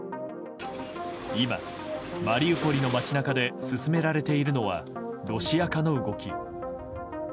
今、マリウポリの街中で進められているのはロシア化の動き。